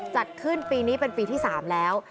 จัดขึ้นปีนี้เป็นปีที่๓แล้ว